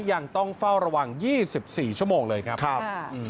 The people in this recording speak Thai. ยังต้องเฝ้าระวัง๒๔ชั่วโมงเลยครับครับ